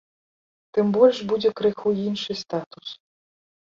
Тым больш, будзе крыху іншы статус.